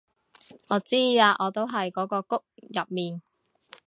我知啊我都喺嗰個谷入面